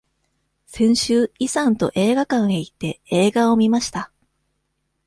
先週、イさんと映画館へ行って、映画を見ました。